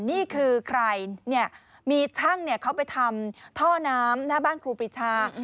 นี่คือใครเนี่ยมีช่างเขาไปทำท่อน้ำหน้าบ้านครูปรีชา